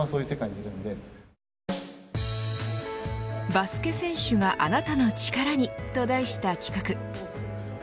バスケ選手があなたの力に、と題した企画。